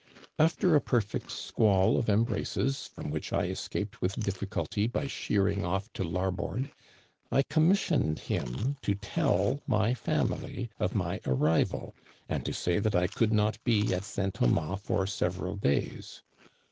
After a perfect squall of embraces, from which I escaped with difficulty by sheering off to larboard, I commissioned him to tell my family of my arrival, and to say that I could not be at St. Thomas for several days.